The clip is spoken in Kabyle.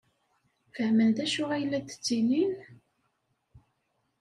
Fehmen d acu ay la d-ttinin?